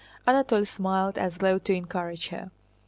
Anatole smiled as though to encourage her.